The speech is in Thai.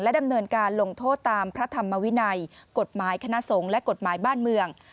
ดำเนินการลงโทษตามพระธรรมวินัยกฎหมายคณะสงฆ์และกฎหมายบ้านเมือง